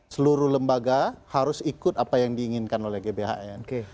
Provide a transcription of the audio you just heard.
seluruh lembaga harus ikut apa yang diinginkan oleh gbhn